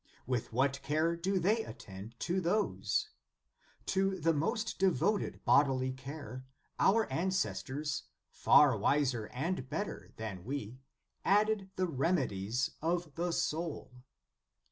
With what care do they attend to those ? To the most devoted bodily care, our ancestors, far wiser and better than we, added the reme dies of the soul.